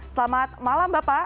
selamat malam bapak